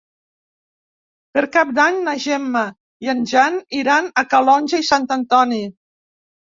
Per Cap d'Any na Gemma i en Jan iran a Calonge i Sant Antoni.